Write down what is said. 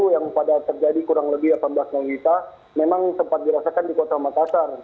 yang pada terjadi kurang lebih delapan belas juta memang sempat dirasakan di kota makassar